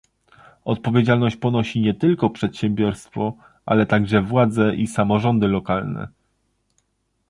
Odpowiedzialność ponosi nie tylko przedsiębiorstwo, ale także władze i samorządy lokalne